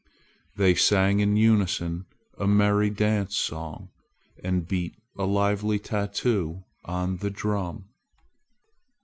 They sang in unison a merry dance song, and beat a lively tattoo on the drum.